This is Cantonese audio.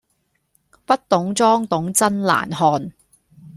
不懂裝懂真難看